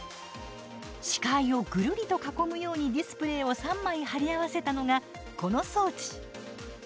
視界をぐるりと囲むようにディスプレーを３枚貼り合わせたのが、この装置。